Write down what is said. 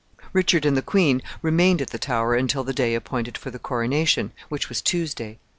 ] Richard and the queen remained at the Tower until the day appointed for the coronation, which was Tuesday.